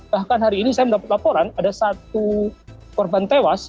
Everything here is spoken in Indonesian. bahkan hari ini saya mendapat laporan ada satu korban tewas